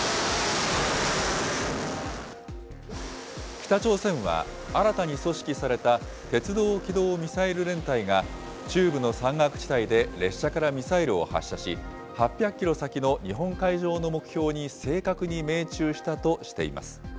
北朝鮮は、新たに組織された鉄道機動ミサイル連隊が、中部の山岳地帯で列車からミサイルを発射し、８００キロ先の日本海上の目標に正確に命中したとしています。